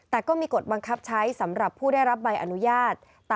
แต่ก็มีกฎบังคับใช้สำหรับผู้ได้รับใบอนุญาต